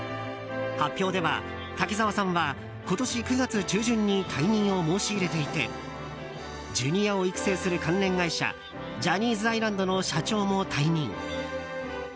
発表では、滝沢さんは今年９月中旬に退任を申し入れていてジュニアを育成する関連会社ジャニーズアイランドの社長も退任。